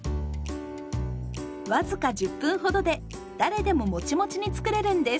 僅か１０分程で誰でもモチモチに作れるんです。